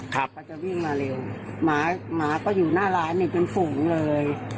เขาจะวิ่งมาเร็วหมาหมาก็อยู่หน้าร้านนี่เป็นฝูงเลย